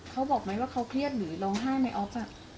เขาบอกไหมว่าเขาเครียดหรือร้องไห้ในออฟ